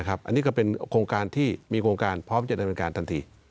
อันนี้ก็เป็นโครงการที่มีโครงการพร้อมจะดำเนินการทันที